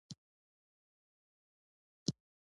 د هر ډول سیاسي فعالیت اجازه نشته.